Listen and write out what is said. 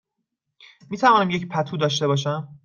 می توانم یک پتو داشته باشم؟